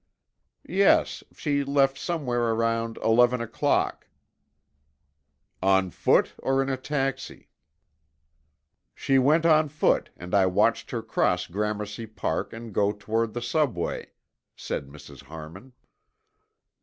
"Yes, she left somewhere around eleven o'clock." "On foot or in a taxi?" "She went on foot and I watched her cross Gramercy Park and go toward the Subway," said Mrs. Harmon.